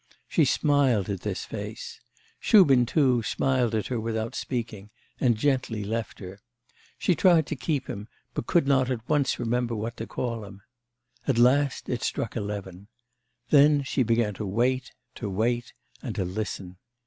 She smiled at this face. Shubin, too, smiled at her without speaking, and gently left her. She tried to keep him, but could not at once remember what to call him. At last it struck eleven. Then she began to wait, to wait, and to listen.